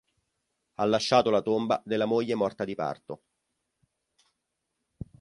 Ha lasciato la tomba della moglie morta di parto.